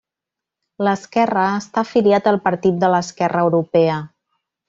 L'Esquerra està afiliat al Partit de l'Esquerra Europea.